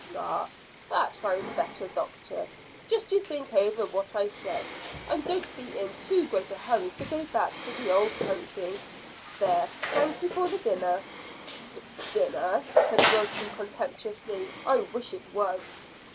"Ah, that sounds better, doctor. Just you think over what I said, and don't be in too great a hurry to go back to the old country. There, thankye for the dinner." "Dinner!" said Wilton contemptuously. "I wish it was."